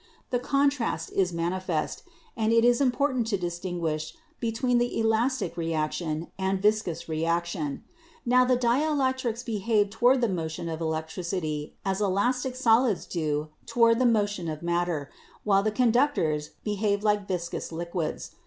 "The contrast is manifest, and it is important to dis tinguish between elastic reaction and viscous reaction. Now, the dielectrics behave toward the motion of elec tricity as elastic solids do toward the motion of matter, while the conductors behave like viscous liquids.